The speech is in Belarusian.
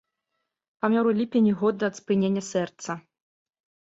Памёр у ліпені года ад спынення сэрца.